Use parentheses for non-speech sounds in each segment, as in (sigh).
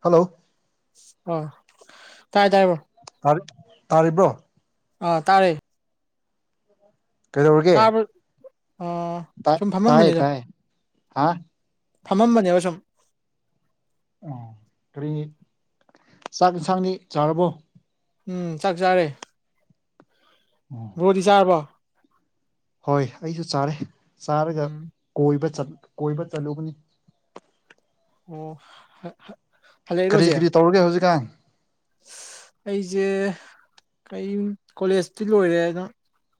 Hello ꯑ ꯀꯥꯏ ꯇꯥꯏ ꯃꯥ ꯇꯥꯔꯤꯕ꯭ꯔꯣ ꯑꯥ ꯇꯥꯔꯦ ꯀꯩꯗꯧꯔꯒꯦ ꯇꯥꯕ꯭ꯔ ꯑꯥ ꯇ ꯁꯨꯝ ꯇꯥꯏꯌꯦ ꯇꯥꯏ ꯍꯥ ꯊꯃꯝꯕꯅꯦꯕꯁꯨꯝ ꯑꯣ ꯀꯔꯤ ꯆꯥꯛ ꯌꯦꯟꯁꯥꯡꯅꯤ ꯆꯥꯔꯕꯣ ꯎꯝ ꯆꯥꯛ ꯆꯥꯔꯦ ꯣꯗꯤ ꯁꯥꯥꯔꯔꯕꯣ ꯍꯣꯏ ꯑꯩꯁꯨ ꯆꯥꯔꯦ ꯆꯥꯔꯒ ꯎꯝ ꯀꯣꯏꯕ ꯆ ꯀꯣꯏꯕ ꯆꯂꯨꯕꯅꯤ ꯑꯣ ꯍꯜꯂꯛꯏꯔꯣ ꯀꯔꯤ ꯍꯧꯖꯤꯛ ꯀꯔꯤ ꯇꯧꯔꯒꯦ ꯍꯧꯖꯤꯛꯀꯥꯟ ꯑꯩꯁꯦ ꯀ ꯀꯣꯂꯦꯖꯇꯤ ꯂꯣꯏꯔꯦ ꯑꯗꯨ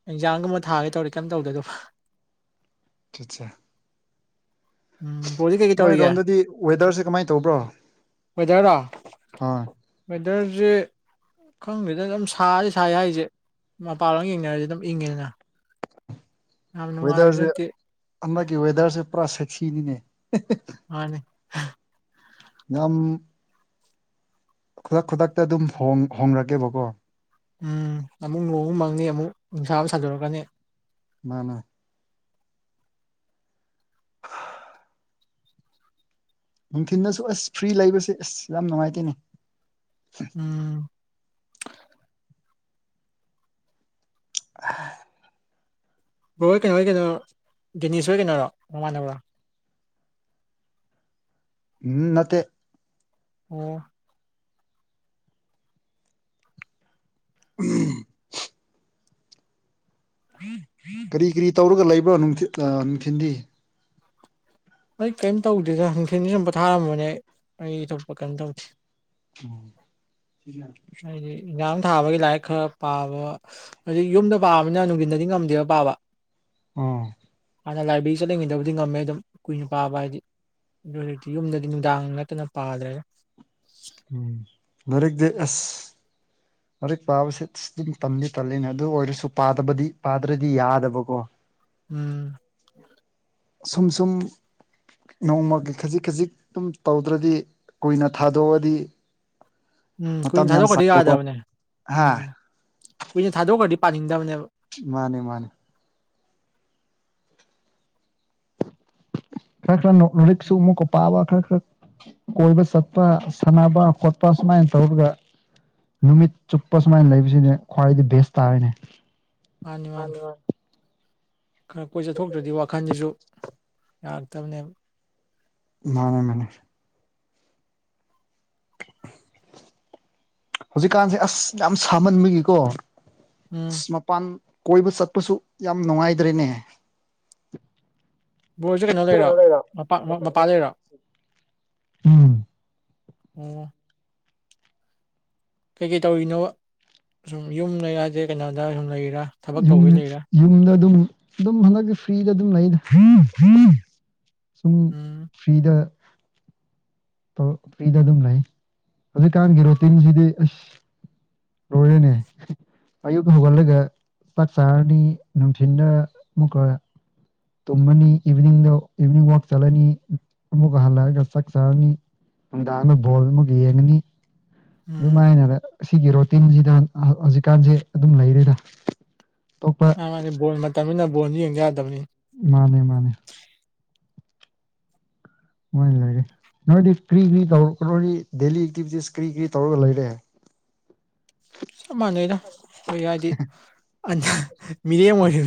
ꯑꯦꯛꯖꯥꯝꯒꯨꯝꯕ ꯊꯥꯒꯦ ꯇꯧꯔꯦ ꯀꯩꯝ ꯇꯧꯗꯣꯏꯗꯕ ꯑꯆꯦ ꯎꯝ ꯄꯣꯗꯤ ꯀꯦꯒꯤ ꯇꯧꯔꯤꯒ ꯅꯣꯏꯔꯣꯝꯗꯗꯤ ꯋꯦꯗꯔꯁꯦ ꯀꯃꯥꯏꯅ ꯇꯧꯕ꯭ꯔꯣ ꯃꯖꯔ ꯍꯣꯏ ꯑꯣꯗꯔꯁꯦ ꯈꯪꯗꯦꯗꯅ ꯑꯗꯨꯝ ꯁꯥꯔꯤ ꯁꯥꯏ ꯍꯥꯏꯁꯦ ꯃꯄꯥꯟꯂꯣ ꯌꯦꯡꯅꯔꯁꯦ ꯑꯗꯨꯝ ꯏꯪꯉꯦꯗꯅ ꯌꯥꯝ ꯅꯨꯡꯉꯥꯏꯕꯁꯨ ꯋꯦꯗꯔꯁꯦ ꯅꯠꯇꯦ ꯍꯜꯅꯀꯤ ꯋꯥꯋꯦꯗꯔꯁ ꯄ꯭ꯔꯥ ꯁꯁꯤꯅꯤꯅꯦ ꯍꯅꯦ ꯌꯥꯝ ꯈꯨꯗꯛ ꯈꯨꯗꯛꯇ ꯑꯗꯨꯝꯣꯡ ꯍꯣꯡꯅꯛꯀꯦꯕꯀꯣ ꯎꯝ ꯑꯃꯨꯛ ꯂꯣꯡ ꯃꯪꯅꯤ ꯑꯃꯨꯛ ꯅꯨꯡꯁꯥ ꯑꯃ ꯁꯥꯟꯗꯣꯔꯛꯀꯅꯤ ꯃꯥꯅꯥ ꯅꯨꯡꯊꯤꯜꯗꯁꯨ ꯑꯁ ꯐ꯭ꯔꯤ ꯂꯩꯕꯁꯦ ꯑꯁ ꯌꯥꯝ ꯅꯨꯡꯉꯥꯏꯇꯦꯅꯦ ꯎꯝ (inaudible) ꯕ꯭ꯔꯣ ꯍꯣꯏ ꯀꯩꯅꯣ ꯍꯣꯏ ꯀꯩꯅꯣ ꯗꯤꯦꯅꯤꯁ ꯍꯣꯏ ꯀꯩꯅꯔꯣ ꯃꯃꯥꯟꯅꯕ꯭ꯔꯣ ꯎꯝ ꯅꯠꯇꯦ ꯑꯣ ꯎꯝ ꯀꯔꯤ ꯀꯔꯤ ꯇꯧꯔꯒ ꯂꯩꯕ꯭ꯔꯣ ꯅꯨꯡꯊ ꯑ ꯅꯨꯡꯊꯤꯤꯟꯗꯤ ꯑꯩ ꯀꯔꯤꯝ ꯇꯧꯗꯦꯗ ꯅꯨꯡꯊꯤꯟꯁꯤ ꯁꯨꯝ ꯄꯣꯊꯥꯔꯝꯕꯅꯦ ꯑꯩ ꯑꯩ ꯊꯣꯛꯄ ꯀꯔꯤꯝ ꯇꯧꯗꯦ ꯎꯝ ꯍꯥꯏꯗꯤ ꯌꯥ ꯊꯥꯕꯒꯤ ꯂꯥꯏꯔꯤꯛ ꯈꯔ ꯄꯥꯕ ꯍꯧ ꯌꯨꯝꯗ ꯄꯥꯕꯅꯤꯅ ꯅꯨꯡꯊꯤꯟꯗꯗꯤ ꯉꯝꯗꯦꯕ ꯄꯥꯕ ꯎꯝ ꯍꯥꯟꯅ ꯂꯥꯏꯕ꯭ꯔꯦꯔꯤ ꯆꯠꯂꯤꯉꯩꯗꯕꯨꯗꯤ ꯉꯝꯃꯦ ꯑꯗꯨꯝ ꯀꯨꯏꯅ ꯄꯥꯕ ꯍꯥꯏꯗꯤ ꯑꯗꯨ ꯍꯧꯖꯤꯛꯇꯤ ꯌꯨꯝꯗꯗꯤ ꯅꯨꯡꯗꯥꯡ ꯅꯠꯇꯅ ꯄꯥꯗ꯭ꯔꯦ ꯑꯦꯁ ꯂꯛ ꯄꯥꯕꯁꯦ ꯑꯗꯨꯝ ꯇꯝꯗꯤ ꯇꯜꯂꯤꯅꯦ ꯑꯗꯨ ꯑꯣꯏꯔꯁꯨ ꯄꯥꯗꯕꯗꯤ ꯄꯥꯗ꯭ꯔꯗꯤ ꯌꯥꯗꯕꯀꯣ ꯎꯝ ꯁꯨꯝ ꯁꯨꯝ ꯅꯣꯡꯃꯒꯤ ꯈꯖꯤꯛ ꯈꯖꯤꯛ ꯑꯗꯨꯝ ꯇꯧꯗ꯭ꯔꯗꯤ ꯀꯨꯏꯅ ꯊꯥꯗꯣꯛꯑꯗꯤ ꯎꯝ ꯃꯇꯝ ꯀꯨꯏꯅ ꯌꯥꯝ ꯊꯥꯗꯣꯛꯈ꯭ꯔꯗꯤ ꯆꯪꯕꯀꯣ ꯌꯥꯗꯕꯅꯦ ꯍꯥ ꯎꯝ ꯀꯨꯏꯅ ꯊꯥꯗꯣꯛꯈ꯭ꯔꯗꯤ ꯄꯥꯅꯤꯡꯗꯕꯅꯦꯕ ꯃꯥꯅꯤ ꯃꯥꯅꯤ (inaudible) ꯂꯥꯏꯔꯤꯛꯁ ꯎꯝ ꯑꯃꯨꯛꯀ ꯄꯥꯕ ꯀꯣꯏꯕ ꯆꯠꯄ ꯁꯥꯟꯅꯕ ꯈꯣꯠꯄ ꯁꯨꯃꯥꯏꯅ ꯇꯧꯔꯒ ꯅꯨꯃꯤꯠ ꯆꯨꯞꯄ ꯁꯨꯃꯥꯏꯅ ꯂꯩꯕꯁꯤꯅꯦ ꯈ꯭ꯋꯥꯏꯗꯒꯤ ꯕꯦꯁ ꯇꯥꯔꯦꯅꯦ ꯃꯥꯅꯤ ꯃꯥꯅꯤ ꯈꯔ ꯀꯣꯏ ꯆꯠꯊꯣꯛꯇ꯭ꯔꯗꯤ ꯋꯥꯈꯜꯁꯤꯁꯨ ꯌꯥꯔꯛꯇꯕꯅꯦꯕ ꯃꯅꯦ ꯃꯅꯦ ꯍꯧꯖꯤꯛꯀꯥꯟꯁꯦ ꯑꯁ ꯌꯥꯝ ꯁꯥꯃꯟꯕꯒꯤꯀꯣ ꯎꯝ ꯃꯄꯥꯟ ꯀꯣꯏꯕ ꯆꯠꯄꯁꯨ ꯌꯥꯝ ꯅꯨꯡꯉꯥꯏꯗ꯭ꯔꯦꯅꯦ ꯕꯣꯜꯁꯦ ꯀꯩꯅꯣ ꯂꯩꯔꯣ ꯂꯩꯔ ꯃꯄꯥꯜ ꯃꯄꯥꯜ ꯂꯩꯔꯤꯔꯣ ꯎꯝ ꯑꯣ ꯀꯩ ꯀꯩ ꯇꯧꯔꯤꯅꯣ ꯁꯨꯝ ꯌꯨꯝ ꯂꯩ ꯌꯥꯗꯦ ꯀꯩꯅꯣꯗ ꯁꯨꯝ ꯂꯩꯔꯤ ꯌꯨꯝ ꯌꯨꯝꯗ ꯑꯗꯨꯝ ꯑꯗꯨꯝ ꯍꯟꯗꯛꯀꯤ ꯐ꯭ꯔꯤꯗ ꯑꯗꯨꯝ ꯂꯩꯗ ꯍ ꯁꯨꯝ ꯎꯝ ꯐ꯭ꯔꯤꯗ ꯐ꯭ꯔꯤꯗ ꯑꯗꯨꯝ ꯂꯩ ꯍꯧꯖꯤꯛꯀꯥꯟꯒꯤ ꯔꯣꯇꯤꯟꯁꯤꯗꯤ ꯑꯁ ꯂꯣꯏꯔꯅꯦ ꯑꯌꯨꯛ ꯍꯧꯒꯠꯂꯒ ꯆꯥꯛ ꯆꯥꯔꯅꯤ ꯅꯨꯡꯊꯤꯟꯗ ꯑꯃꯨꯛꯀ ꯇꯨꯝꯃꯅꯤ ꯏꯚꯤꯅꯤꯡꯗꯣ ꯏꯚꯤꯅꯤꯡ ꯋꯥꯛ ꯆꯠꯂꯅꯤ ꯑꯃꯨꯛꯀ ꯍꯜꯂꯛꯑꯒ ꯆꯥꯛ ꯆꯥꯔꯅꯤ ꯅꯨꯡꯗꯥꯡ ꯑꯃꯗ ꯕꯣꯜ ꯑꯃꯒ ꯌꯦꯡꯉꯅꯤ ꯑꯗꯨ ꯎꯝ ꯃꯥꯏꯅꯔ ꯑꯁꯤꯒꯤ ꯔꯣꯇꯤꯟꯁꯤꯗ ꯍꯧꯖꯤꯛꯀꯥꯟꯁꯦ ꯑꯗꯨꯝ ꯂꯩꯔꯤꯗ ꯑ ꯕꯣꯜ ꯃꯇꯝꯅꯤꯅ ꯕꯣꯜꯁꯨ ꯌꯦꯡ ꯌꯥꯗꯕꯅꯤ ꯃꯥꯅꯦ ꯃꯥꯅꯦ ꯃꯣꯏ ꯂꯩꯔꯦ ꯅꯣꯏꯗꯤ ꯀꯔꯤ ꯀꯔꯤ ꯇꯧ ꯅꯗꯤ ꯗꯦꯂꯤ ꯑꯦꯛꯇꯤꯚꯤꯇꯤꯁ ꯀꯔꯤ ꯀꯔꯤ ꯇꯧꯔꯒ ꯂꯩꯔꯦ ꯆꯞ ꯑ ꯃꯤꯔꯦꯝ ꯑꯣꯏꯔꯤ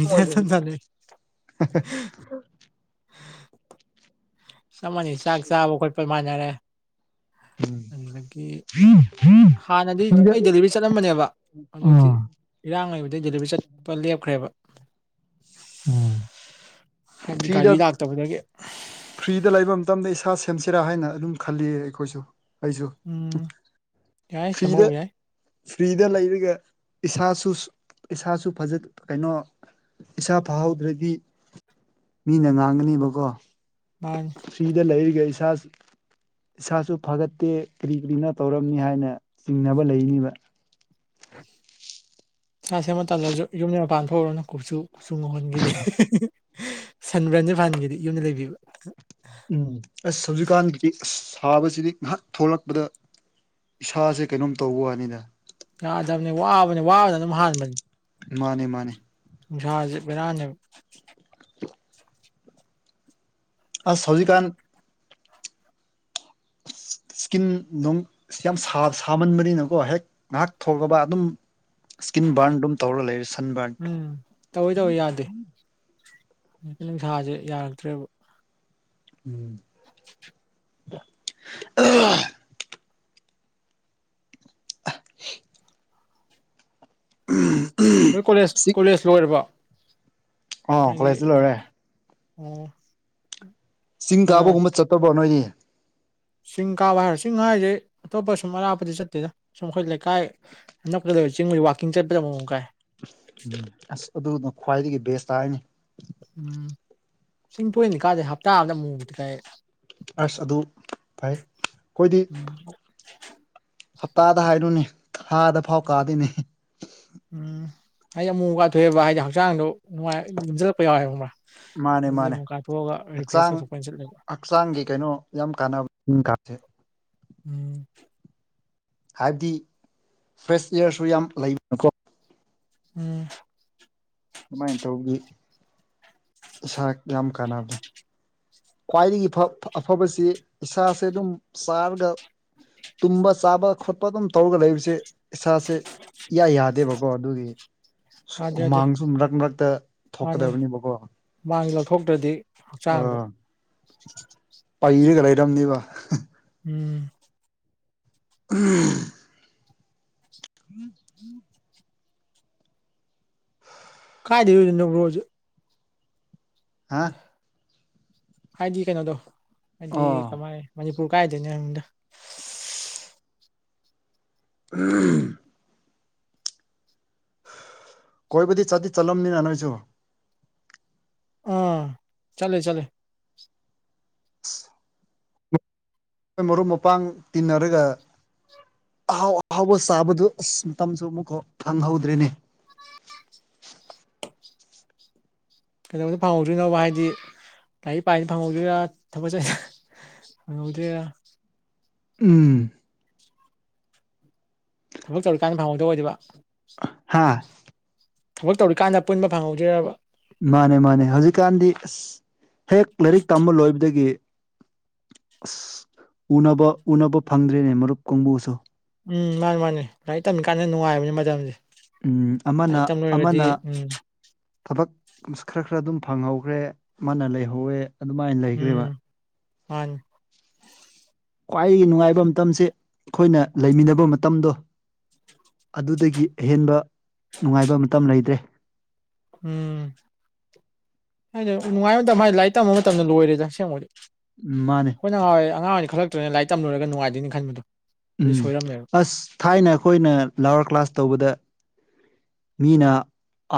ꯆꯞ ꯃꯅꯩ ꯆꯥꯛ ꯆꯕꯥ ꯈꯣꯠꯄ ꯃꯥꯥꯟꯅꯔꯦ ꯑꯗꯨꯗꯒꯤ ꯎꯝ ꯍꯥꯟꯅꯗꯤ ꯐ꯭ꯔꯤꯗ ꯑꯩ ꯗꯦꯂꯤꯚꯔꯤ ꯆꯠꯂꯝꯕꯅꯦꯕ ꯍꯧꯖꯤꯛꯇꯤ ꯑꯥ ꯏꯔꯥꯡ ꯂꯩꯕꯗꯒꯤ ꯗꯦꯂꯤꯚꯔꯤ ꯆꯠꯄ ꯂꯦꯞꯈ꯭꯭ꯔꯦꯕ ꯎꯝ ꯍꯥꯏꯗꯤ ꯐ꯭ꯔꯤꯗ ꯒꯥꯔꯤ ꯂꯥꯛꯇꯕꯗꯒꯤ ꯑ ꯐ꯭ꯔꯤꯗ ꯂꯩꯕ ꯃꯇꯝꯗ ꯏꯁꯥ ꯁꯦꯝꯁꯤꯔꯥ ꯍꯥꯏꯅ ꯑꯗꯨꯝ ꯈꯜꯂꯤ ꯑꯩꯈꯣꯏꯁꯨ ꯑꯩꯁꯨ ꯎꯝ ꯌꯥꯏ ꯁꯦꯝꯍꯧ ꯐ꯭ꯔꯤꯗ ꯌꯥꯏ ꯐ꯭ꯔꯤꯗ ꯂꯩꯔꯒ ꯏꯁꯥꯁꯨ ꯏꯁꯥꯁꯨ ꯐꯖ ꯀꯩꯅꯣ ꯏꯁꯥ ꯐꯍꯧꯗ꯭ꯔꯗꯤ ꯃꯤꯅ ꯉꯥꯡꯒꯅꯦꯕꯀꯣ ꯃꯥꯅꯤ ꯐ꯭ꯔꯤꯗ ꯂꯩꯔꯤ ꯒꯩ ꯏꯁꯥ ꯏꯁꯥꯁꯨ ꯐꯒꯠꯇꯦ ꯀꯔꯤ ꯀꯔꯤꯅꯣ ꯇꯧꯔꯝꯅꯤ ꯍꯥꯏꯅ ꯆꯤꯡꯅꯕ ꯂꯩꯅꯤꯕ ꯁꯥ ꯁꯦꯝꯕ ꯇꯜꯂꯁꯨ ꯌꯨꯝꯒꯤ ꯃꯄꯥꯟ ꯍꯧꯧꯔꯅ ꯀꯨꯞꯁꯨ ꯀꯨꯞꯁꯨ ꯉꯧꯍꯟꯈꯤꯗꯦ ꯁꯟꯕ꯭ꯔꯟꯁꯨꯦ ꯐꯍꯟꯈꯤꯗ ꯌꯨꯝꯗ ꯂꯩꯕꯤꯕ ꯎꯝ ꯑꯁ ꯍꯧꯖꯤꯛꯀꯥꯟꯒꯤꯗꯤ ꯑꯁ ꯁꯥꯕꯁꯤꯗꯤ ꯉꯍꯥꯛ ꯊꯣꯛꯂꯛꯄꯗ ꯏꯁꯥꯁꯦ ꯀꯩꯅꯣꯝ ꯇꯧꯕ ꯋꯥꯅꯤꯗ ꯌꯥꯗꯕꯅꯤ ꯋꯥꯕꯅꯤ ꯋꯥꯕꯅ ꯑꯗꯨꯝ ꯍꯥꯟꯕꯅꯤ ꯃꯥꯟꯅꯦ ꯃꯥꯟꯅꯦ ꯕꯦꯔꯥꯅꯦꯕ (inaudible) ꯑꯁ ꯍꯧꯖꯤꯛꯀꯥꯟ ꯁ꯭ꯀꯤꯟ ꯅꯨꯡ ꯌꯥꯝ ꯁꯥ ꯁꯥꯃꯟꯕꯅꯤꯅꯀꯣ ꯍꯦꯛ ꯉꯥꯏꯍꯥꯛ ꯊꯣꯛꯂꯕ ꯑꯗꯨꯝ ꯁ꯭ꯀꯤꯟ ꯕ꯭ꯔꯟ ꯑꯗꯨꯝ ꯇꯧꯔ ꯂꯩꯔꯦ ꯁꯟ ꯕ꯭ꯔꯟ ꯎꯝ ꯍꯧꯖꯤꯛꯇꯤ ꯅꯨꯡꯁꯥꯁꯦ ꯌꯥꯔꯛꯇ꯭ꯔꯦꯕ ꯎꯝ (inaudible) (inaudible) ꯃꯣꯏ ꯀꯣꯂꯦꯖ ꯀꯣꯂꯦꯖ ꯂꯣꯏꯔꯕꯣ ꯑꯣ ꯀꯣꯂꯦꯖꯇꯤ ꯂꯣꯏꯔꯦ ꯑꯣ ꯆꯤꯡ ꯀꯩꯅꯣ ꯀꯥꯕꯒꯨꯝꯕ ꯆꯠꯇꯕ꯭ꯔꯣ ꯅꯣꯏꯗꯤ (inaudible) ꯆꯤꯡ ꯀꯥꯕ ꯍꯥꯏꯔꯣ ꯆꯤꯡ ꯍꯥꯏꯁꯦ ꯑꯇꯣꯞꯄ ꯁꯨꯝ ꯑꯔꯥꯞꯄꯗꯤ ꯆꯠꯇꯦꯗ ꯁꯨꯝ ꯑꯩꯈꯣꯏ ꯂꯩꯀꯥꯏ ꯑꯅꯛꯄꯗ ꯂꯩꯕ ꯆꯤꯡ ꯂꯩ ꯋꯥꯀꯤꯡ ꯆꯠꯄꯗ ꯑꯃꯨꯃꯨꯛ ꯀꯥꯏ ꯎꯝ ꯑꯁ ꯑꯗꯨꯅ ꯈ꯭ꯋꯥꯏꯗꯒꯤ ꯕꯦꯁ ꯇꯥꯏꯅꯦ ꯎꯝ ꯆꯤꯡ ꯇꯣꯏꯅꯗꯤ ꯀꯥꯗꯦ ꯍꯞꯇꯥ ꯑꯃꯗ ꯑꯃꯨꯃꯨꯛꯇꯤ ꯀꯥꯏ ꯑꯁ ꯑꯗꯨ ꯐꯩ ꯈꯣꯏꯗꯤ ꯎꯝ (inaudible) ꯍꯞꯇꯥꯗ ꯍꯥꯏꯔꯨꯅꯦ ꯊꯥꯗ ꯐꯥꯎ ꯀꯥꯗꯦꯅꯦ ꯎꯝ ꯍꯥꯏꯗꯤ ꯑꯃꯨꯃꯨꯛ ꯋꯥꯊꯣꯛꯑꯦꯕ ꯍꯥꯏꯗꯤ ꯍꯛꯆꯥꯡꯗꯣ ꯅꯨꯡꯉꯥꯏ ꯂꯨꯝꯖꯜꯂꯛꯄ ꯌꯥꯎꯋꯦꯕ ꯈꯪꯕ꯭ꯔꯥ ꯃꯥꯟꯅꯦ ꯑꯗꯨꯗꯤ ꯃꯥꯟꯅꯦ ꯑꯃꯨꯛ ꯀꯥꯊꯣꯛꯑꯒ ꯔꯤꯐ꯭ꯔꯦꯁ ꯍꯛꯆꯥꯡ ꯇꯧꯊꯣꯛꯄ ꯑꯣꯏꯅ ꯆꯠꯂꯦꯕ ꯍꯛꯆꯥꯡꯒꯤ ꯀꯩꯅꯣ ꯌꯥꯝ ꯀꯥꯟꯅꯕ (unintelligible) ꯎꯝ ꯍꯥꯏꯕꯗꯤ ꯐ꯭ꯔꯦꯁ ꯏꯌꯥꯔꯁꯨ ꯌꯥꯝ ꯂꯩꯕꯅꯀꯣ ꯎꯝ ꯑꯗꯨꯃꯥꯏꯅ ꯇꯧꯒꯤ (unintelligible) ꯌꯥꯝ ꯀꯥꯟꯅꯕꯅꯤ ꯈ꯭ꯋꯥꯏꯗꯒꯤ ꯐ ꯑꯐꯕꯁꯤ ꯏꯁꯥꯁꯦ ꯑꯗꯨꯝ ꯆꯥꯔꯒ ꯇꯨꯝꯕ ꯆꯥꯕ ꯈꯣꯠꯄ ꯑꯗꯨꯝ ꯇꯧꯔꯒ ꯂꯩꯕꯁꯦ ꯏꯁꯥꯁꯦ ꯏꯌꯥ ꯌꯥꯗꯦꯕ ꯀꯣ ꯑꯗꯨꯒꯤ꯫ ꯌꯥꯗꯦ ꯌꯥꯗꯦ ꯍꯨꯃꯥꯡꯁꯨ ꯃꯔꯛ ꯃꯔꯛꯇ ꯃꯥꯅꯦ ꯊꯣꯛꯀꯗꯕꯅꯦꯕꯀꯣ ꯃꯥꯡ ꯂꯧꯊꯣꯛꯇ꯭ꯔꯗꯤ ꯑꯥ꯫ ꯍꯛꯆꯥꯡꯗꯣ ꯄꯩꯔꯒ ꯂꯩꯔꯝꯅꯦꯕ꯫ ꯎꯝ꯫ ꯎꯪ꯫ (unintelligible) ꯀꯥꯏꯗꯩ ꯑꯣꯏꯗꯣꯏꯅꯣ ꯕꯔꯣꯁꯦ꯫ ꯍꯥ꯫ ꯍꯥꯏꯗꯤ ꯀꯩꯅꯗꯣ꯫ ꯑꯗꯤ ꯑꯣ ꯀꯃꯥꯏ ꯃꯅꯤ ꯄꯨꯨꯔ ꯀꯥꯏꯗꯩꯅꯣ ꯍꯥꯏꯕꯅꯤꯗ꯫ ꯎꯝ꯫ ꯀꯣꯏꯕꯗꯤ ꯆꯠꯇꯤ ꯆꯠꯂꯝꯅꯤꯅ ꯅꯣꯏꯁꯨ꯫ ꯎꯪ ꯆꯠꯂꯦ ꯆꯠꯂꯦ꯫ (unintelligible) ꯑꯩꯈꯣꯏ ꯃꯔꯨꯞ ꯃꯄꯥꯡ ꯇꯤꯟꯅꯔꯒ ꯑꯍꯥꯎ ꯑꯍꯥꯎꯕ ꯆꯥꯕꯗꯨ ꯑꯁ ꯃꯇꯝꯁꯨ ꯑꯃꯨꯛ ꯐꯪꯍꯧꯗ꯭ꯔꯤꯅꯦ꯫ ꯀꯩꯗꯧꯕꯗ ꯐꯪꯍꯧꯗ꯭ꯔꯤꯅꯣꯕ ꯍꯥꯏꯗꯤ ꯂꯥꯏꯔꯤꯛ ꯄꯥꯏꯉꯩꯅ ꯐꯪꯍꯧꯗꯣꯏꯔꯥ ꯊꯕꯛ ꯆꯠꯂꯤꯉꯩ ꯐꯪꯍꯧꯗ꯭ꯔꯤꯔꯥ꯫ ꯎꯝ꯫ ꯊꯕꯛ ꯇꯧꯔꯤꯀꯥꯟꯗ ꯐꯪꯍꯧꯗ ꯑꯣꯏꯗꯕ꯫ ꯑꯥ꯫ ꯊꯕꯛ ꯇꯧꯔꯤꯀꯥꯟꯗ ꯄꯨꯟꯕ ꯐꯪꯍꯧꯗ꯭ꯔꯤꯔꯥꯕꯥ꯫ ꯃꯥꯅꯦ ꯃꯥꯅꯦ ꯍꯧꯖꯤꯛꯀꯥꯟꯗꯤ ꯑꯁ꯫ ꯍꯦꯛ ꯂꯥꯏꯔꯤꯛ ꯇꯝꯕ ꯂꯣꯏꯕꯗꯒꯤ꯫ ꯑꯁ ꯎꯅꯕ ꯎꯅꯕ ꯐꯪꯗ꯭ꯔꯤꯅꯦ ꯃꯔꯨꯞ ꯀꯡꯕꯨꯁꯨ꯫ ꯎꯝ ꯃꯥꯅꯤ ꯃꯥꯅꯤ ꯂꯥꯏꯔꯤꯛ ꯇꯝꯃꯤ ꯀꯥꯟꯗ ꯅꯨꯡꯉꯥꯏꯕꯅꯤ ꯃꯇꯝꯗꯤ꯫ ꯎꯝ ꯑꯃꯅ ꯑꯃꯅ ꯎꯝ ꯊꯕꯛ ꯈꯔ ꯈꯔ ꯑꯗꯨꯝ꯫ ꯐꯪꯍꯧꯈ꯭ꯔꯦ ꯃꯥꯅ ꯂꯩꯍꯧꯋꯦ꯫ ꯑꯗꯨꯃꯥꯏꯅ ꯂꯩꯈ꯭ꯔꯦꯕ꯫ ꯎꯝ ꯃꯥꯅꯤ ꯈ꯭ꯋꯥꯏꯒꯤ ꯅꯨꯡꯉꯥꯏꯕ ꯃꯇꯝꯁꯦ ꯑꯩꯈꯣꯏꯅ ꯂꯩꯃꯤꯟꯅꯕ ꯃꯇꯝꯗꯣ ꯑꯗꯨꯗꯒꯤ ꯑꯍꯦꯟꯕ ꯅꯨꯡꯉꯥꯏꯕ ꯃꯇꯝ ꯂꯩꯇ꯭ꯔꯦ꯫ ꯎꯝ ꯍꯥꯏꯗꯤ ꯅꯨꯡꯉꯥꯏꯕ ꯃꯇꯝꯗ ꯍꯥꯏꯗꯤ ꯂꯥꯏꯔꯤꯛ ꯇꯝꯕ ꯃꯇꯝꯗ ꯂꯣꯏꯔꯦꯗ ꯑꯁꯦꯡꯕꯗꯤ꯫ ꯎꯝ ꯃꯥꯅꯦ ꯑꯩꯈꯣꯏꯅ ꯅꯉꯥꯏ ꯑꯉꯥꯡ ꯑꯣꯏꯅꯤ ꯈꯜꯂꯛ꯫ ꯇꯣꯛꯑꯦ ꯂꯥꯏꯛ ꯇꯝꯂꯣꯏꯔꯒ ꯅꯨꯡꯉꯥꯏꯗꯣꯏ ꯈꯕꯗꯣ꯫ ꯎꯝ ꯑꯁ ꯊꯥꯏꯅ ꯑꯩꯈꯣꯏꯅ ꯂꯋꯥꯔ ꯀ꯭ꯂꯥꯁ ꯇꯧꯕꯗ꯫ ꯃꯤꯅ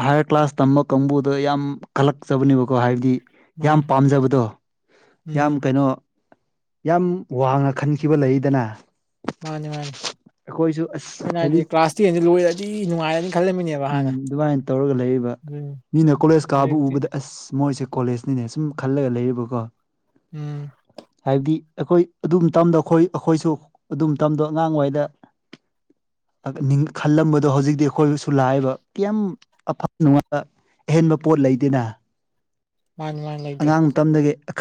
ꯍꯥꯏꯌꯔ ꯀ꯭ꯂꯥꯁ ꯇꯝꯕ ꯀꯥꯡꯕꯨꯗ ꯌꯥꯝ ꯀꯜꯂꯛꯆꯕꯅꯦꯕꯀꯣ ꯍꯥꯏꯕꯗꯤ꯫ ꯃꯥ ꯌꯥꯝ ꯄꯥꯝꯖꯕꯗꯣ ꯌꯥꯝ ꯎꯝ ꯀꯩꯅꯣ꯫ ꯌꯥꯝ ꯋꯥꯡꯅ ꯈꯟꯈꯤꯕ ꯂꯩꯏꯗꯅ꯫ ꯃꯥꯅꯤ ꯃꯥꯅꯤ ꯑꯁ ꯈꯣꯏꯅ ꯍꯥꯏꯗꯤ ꯍꯧꯖꯤꯛ ꯀ꯭ꯂꯥꯁ ꯇꯦꯟꯁꯤ ꯂꯣꯏꯔꯗꯤ ꯅꯨꯡꯉꯥꯏꯔꯅꯤ ꯈꯜꯂ ꯎꯝ ꯑꯗꯨꯃꯥꯏꯅ ꯇꯧꯔꯒ ꯂꯩꯔꯤꯕ ꯎꯝ ꯃꯤꯅ ꯀꯣꯂꯦꯖ ꯀꯥꯕ ꯍꯧꯖꯤꯛꯇꯤ ꯎꯕꯗ ꯑꯁ ꯃꯣꯏꯁꯦ꯫ ꯀꯣꯂꯦꯖꯅꯤꯅꯦ ꯁꯨꯝ ꯈꯜꯂꯒ ꯂꯩꯌꯦꯕꯀꯣ ꯎꯝ ꯍꯥꯏꯕꯗꯤ ꯑꯈꯣꯏ ꯑꯗꯨꯝ ꯃꯇꯝꯗꯣ ꯈꯣꯏ ꯑꯈꯣꯏꯁꯨ ꯑꯗꯨꯝ ꯃꯇꯝꯗꯣ ꯑꯉꯥꯡꯑꯣꯏꯗ ꯅꯤꯡ ꯈꯜꯂꯝꯕꯗꯣ ꯍꯧꯖꯤꯛꯇꯤ ꯑꯈꯣꯏꯁꯨ ꯂ ꯍꯥꯏꯕ ꯀꯌꯥꯝ ꯑꯐ ꯅꯨꯡꯉꯥꯏꯕ ꯑꯍꯦꯟꯕ ꯄꯣꯠ ꯂꯩꯗꯅ ꯃꯥꯟꯅꯤ ꯃꯥꯟꯅꯤ ꯂꯩꯇꯦ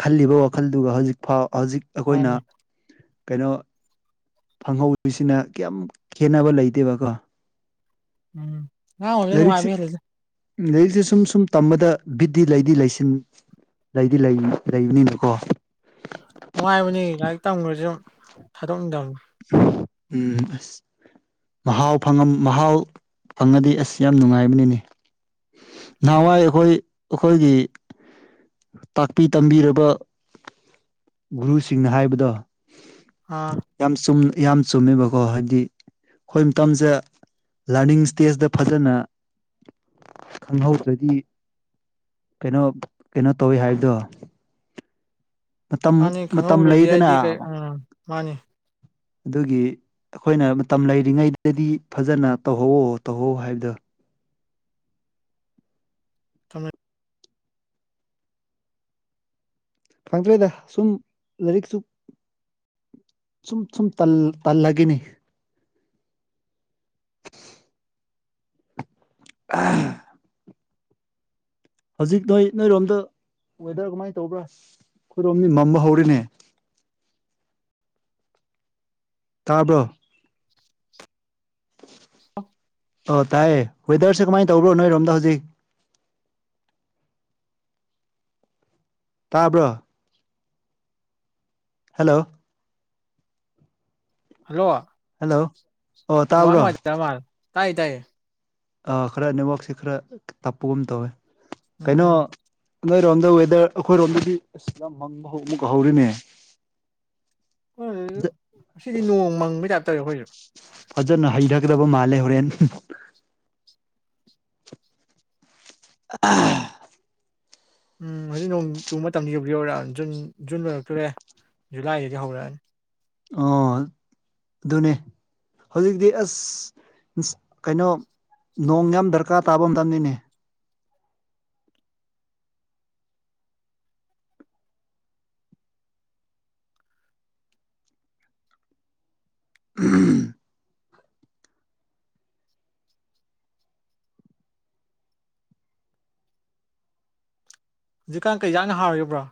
ꯈꯜꯂꯤꯕ ꯋꯥꯈꯜꯗꯨꯒ ꯍꯧꯖꯤꯛꯐꯥꯎ ꯍꯧꯖꯤꯛ ꯑꯈꯣꯏꯅ ꯃꯥꯅꯤ ꯀꯩꯅꯣ ꯐꯪꯍꯧꯁꯤꯅ ꯀꯌꯥꯝ ꯈꯦꯅꯕ ꯂꯩꯇꯦꯕꯀꯣ ꯎꯝ ꯑꯉꯥꯡ ꯑꯣꯏꯕꯅ ꯂꯥꯏꯔꯤꯛꯁꯤ ꯅꯨꯡꯉꯥꯏꯕ ꯍꯦꯜꯂꯤꯗ ꯂꯥꯏꯔꯤꯛꯁꯤ ꯁꯨꯝ ꯁꯨꯝ ꯇꯝꯕꯗ ꯕꯤꯠꯇꯤ ꯂꯩꯗꯤ ꯂꯩꯁꯤꯟ ꯂꯩꯗꯤ ꯂꯩ ꯂꯩꯕꯅꯤꯅꯀꯣ ꯅꯨꯡꯉꯥꯏꯕꯅꯤ ꯂꯥꯏꯔꯤꯛ ꯇꯝꯈ꯭ꯔꯁꯨ ꯊꯥꯗꯣꯛꯅꯤꯡꯗꯕ ꯎꯝ ꯑꯁ ꯃꯍꯥꯎ ꯐꯪ ꯃꯍꯥꯎ ꯐꯪꯉꯗꯤ ꯑꯁ ꯌꯥꯝ ꯅꯨꯡꯉꯥꯏꯕꯅꯤꯅꯤ ꯎꯝ ꯅꯍꯥꯟꯋꯥꯏ ꯑꯩꯈꯣꯏ ꯑꯈꯣꯏꯒꯤ ꯇꯥꯛꯄꯤ ꯇꯝꯕꯤꯔꯕ ꯒꯨꯔꯨꯁꯤꯡꯅ ꯍꯥꯏꯕꯗꯣ ꯑꯥ ꯌꯥꯝ ꯆꯨꯝ ꯌꯥꯝ ꯆꯨꯝꯃꯦꯕꯀꯣ ꯍꯥꯏꯗꯤ ꯑꯩꯈꯣꯏ ꯃꯇꯝꯁꯦ ꯂꯥꯔꯅꯤꯡ ꯏꯁꯇꯦꯖꯇ ꯐꯖꯅ ꯈꯪꯍꯧꯗ꯭ꯔꯗꯤ ꯀꯩꯅꯣ ꯀꯩꯅꯣ ꯇꯧꯋꯤ ꯍꯥꯏꯕꯗꯣ ꯃꯇꯝ ꯃꯇꯝ ꯂꯩꯗꯅ ꯃꯥꯟꯅꯤ ꯑꯗꯨꯒꯤ ꯑꯩꯈꯣꯏꯅ ꯃꯇꯝ ꯂꯩꯔꯤꯉꯩꯗꯗꯤ ꯐꯖꯅ ꯇꯧꯍꯧꯋꯣ ꯇꯧꯍꯧ ꯍꯥꯏꯕꯗꯣ (unintelligible) ꯈꯪꯗ꯭ꯔꯦꯗ ꯁꯨꯝ ꯂꯥꯏꯔꯤꯛꯁꯨ ꯁꯨꯝ ꯁꯨꯝ ꯇꯜꯂꯒꯅꯤ (unintelligible) ꯍꯧꯖꯤꯛ ꯅꯣꯏ ꯅꯣꯏꯔꯣꯝꯗ ꯋꯦꯗꯔ ꯀꯃꯥꯏꯅ ꯇꯧꯕ꯭ꯔꯥ ꯑꯩꯈꯣꯏꯔꯣꯝꯗꯤ ꯃꯝꯕ ꯍꯧꯔꯤꯅꯦ ꯇꯥꯕ꯭ꯔꯣ (unintelligible) ꯑꯣ ꯇꯥꯏꯌꯦ ꯋꯦꯗꯔꯁꯦ ꯀꯃꯥꯏꯅ ꯇꯧꯕꯅꯣ ꯅꯣꯏꯔꯣꯝꯗ ꯍꯧꯖꯤꯛ ꯇꯥꯕ꯭ꯔꯣ ꯍꯜꯂꯣ ꯍꯜꯂꯣ ꯍꯜꯂꯣ ꯑꯣ ꯅꯦꯠꯋꯥꯛ ꯇꯥꯕ꯭ꯔꯣ ꯅꯨꯡꯉꯥꯏꯇ꯭ꯔ ꯃꯥꯜꯂꯦ ꯇꯥꯏꯌꯦ ꯇꯥꯏꯌꯦ ꯑ ꯈꯔ ꯅꯦꯠꯋꯥꯛꯁꯦ ꯈꯔ ꯇꯞꯄꯒꯨꯝ ꯇꯧꯋꯦ ꯀꯩꯅꯣ ꯎꯝ ꯅꯣꯏꯔꯣꯝꯗ ꯋꯦꯗꯔ ꯑꯩꯈꯣꯏꯔꯣꯝꯗꯗꯤ ꯑꯁꯤꯗ ꯃꯪꯕ ꯍꯧ ꯑꯃꯨꯛ ꯍꯧꯔꯤꯅꯦ (inaudible) ꯉꯁꯤꯗꯤ ꯅꯣꯡ ꯃꯪꯕꯩ ꯇꯥꯏꯞ (unintelligible) ꯐꯖꯅ ꯍꯩꯔꯛꯂꯕ ꯃꯥꯜꯂꯦ ꯍꯣꯔꯦꯟ ꯑꯍ ꯎꯝ ꯍꯧꯖꯤꯛ ꯅꯣꯡ ꯆꯨ ꯃꯇꯝꯗꯤ ꯌꯧꯕꯨ ꯌꯧꯔꯛꯅꯤ ꯖꯨꯟ ꯖꯨꯟ ꯂꯣꯏꯔꯛꯇꯨꯔꯦ ꯖꯨꯂꯥꯏꯗꯒꯤ ꯍꯧꯔꯛꯑꯅꯤ ꯑꯣ ꯑꯗꯨꯅꯦ ꯍꯧꯖꯤꯛꯇꯤ ꯑꯁ ꯀꯩꯅꯣ ꯅꯣꯡ ꯌꯥꯝ ꯗꯔꯀꯥ ꯇꯥꯕ ꯃꯇꯝꯅꯤꯅꯦ ꯎꯍꯝ ꯍꯧꯖꯤꯛꯀꯥꯟ ꯀꯩ ꯏꯟꯖꯥꯡꯅ ꯍꯥꯎꯔꯤꯒꯦ ꯕ꯭ꯔꫭ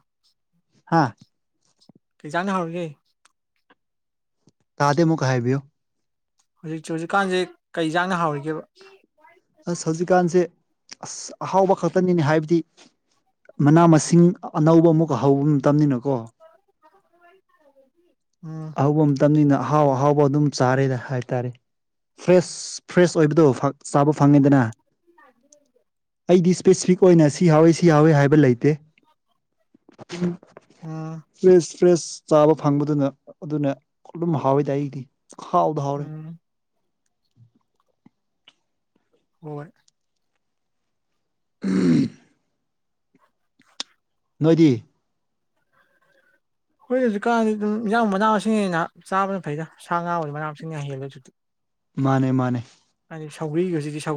ꯍꯥꯥ ꯀꯩ ꯏꯟꯖꯥꯡꯅ ꯍꯥꯎꯔꯤꯒꯦ ꯇꯥꯗꯦ ꯃꯨꯛꯀ ꯍꯥꯏꯕꯤꯌꯣ ꯍꯧꯖꯤꯛ ꯍꯧꯖꯤꯛꯀꯥꯟꯁꯦ ꯀꯩ ꯏꯟꯁꯥꯡꯅ ꯍꯥꯎꯔꯤꯒꯦꯕ ꯑꯁ ꯍꯧꯖꯤꯛꯀꯥꯟꯁꯦ ꯑꯁ ꯑꯍꯥꯎꯕ ꯈꯛꯇꯅꯤꯅꯦ ꯍꯥꯏꯕꯗꯤ ꯃꯅꯥ ꯃꯁꯤꯡ ꯑꯅꯧꯕ ꯑꯃꯨꯛꯀ ꯍꯧꯕ ꯃꯇꯝꯅꯤꯅꯀꯣ ꯎꯝ ꯑꯍꯧꯕ ꯃꯇꯝꯅꯤꯅ ꯑꯍꯥꯎ ꯑꯍꯥꯎꯕ ꯑꯗꯨꯝ ꯆꯥꯔꯦꯗ ꯍꯥꯏꯇꯥꯔꯦ ꯐ꯭ꯔꯦꯁ ꯐ꯭ꯔꯦꯁ ꯑꯣꯏꯕꯗꯣ ꯐ ꯆꯥꯕ ꯐꯪꯉꯤꯗꯅ ꯑꯩꯗꯤ ꯁ꯭ꯄꯦꯁꯤꯐꯤꯛ ꯑꯣꯏꯅ ꯁꯤ ꯍꯥꯎꯋꯤ ꯁꯤ ꯍꯥꯎꯋꯤ ꯍꯥꯏꯕ ꯂꯩꯇꯦ ꯑꯥ ꯐ꯭ꯔꯦꯁ ꯐ꯭ꯔꯦꯁ ꯆꯥꯕ ꯐꯪꯕꯗꯨꯅ ꯑꯗꯨꯅ ꯑꯗꯨꯝ ꯍꯥꯎꯋꯤꯗ ꯑꯩꯗꯤ ꯍꯥꯎꯗ ꯍꯥꯎꯔꯦ ꯎꯝ ꯍꫭꯏ (inaudible) ꯅꫭꯏꯗꯤ ꯍꯣꯏ ꯍꯧꯖꯤꯛꯀꯥꯟꯗꯤ ꯑꯗꯨꯝ ꯏꯟꯖꯥꯡ ꯃꯅꯥ ꯃꯁꯤꯡꯅ ꯍꯦꯟꯅ ꯆꯥꯕꯅ ꯐꯩꯗ ꯁꯥ ꯉꯥ ꯕꯨꯗꯤ ꯃꯅꯥ ꯃꯁꯤꯡꯅ ꯍꯦꯜꯂꯦ ꯍꯧꯖꯤꯛꯇꯤ ꯃꯥꯅꯦ ꯃꯥꯅꯦ ꯁꯥꯎꯒꯔꯤꯒ ꯁꯤꯗꯤ ꯁꯧ